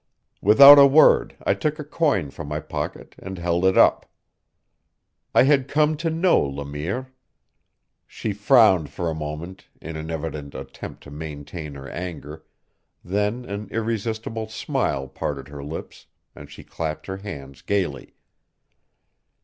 Without a word I took a coin from my pocket and held it up. I had come to know Le Mire. She frowned for a moment in an evident attempt to maintain her anger, then an irresistible smile parted her lips and she clapped her hands gaily.